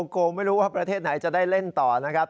โกงไม่รู้ว่าประเทศไหนจะได้เล่นต่อนะครับ